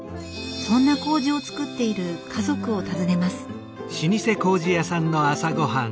そんなこうじをつくっている家族を訪ねます。